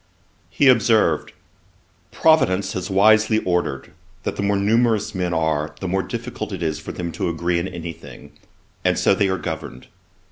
He observed, 'Providence has wisely ordered that the more numerous men are, the more difficult it is for them to agree in any thing, and so they are governed.